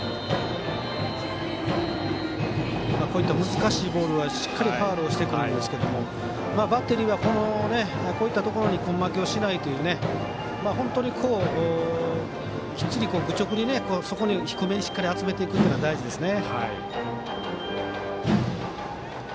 難しいボールはしっかりファウルをしてくるんですけどバッテリーはこういったところに根負けをしないという本当にきっちり愚直に低めにしっかり集めていくのは大事ですね。